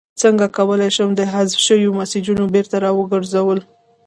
څنګه کولی شم د حذف شویو میسجونو بیرته راګرځول